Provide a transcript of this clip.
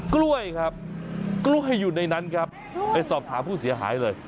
กล้วยครับกล้วยอยู่ในนั้นครับไปสอบถามผู้เสียหายเลย